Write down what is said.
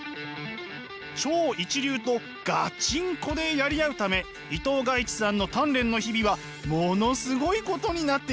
超一流とガチンコでやり合うため伊藤賀一さんの鍛錬の日々はものすごいことになっています。